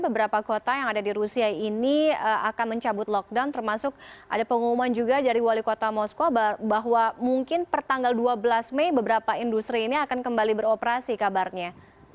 beberapa kota yang ada di rusia ini akan mencabut lockdown termasuk ada pengumuman juga dari wali kota moskow bahwa mungkin pertanggal dua belas mei beberapa industri ini akan kembali beroperasi kabarnya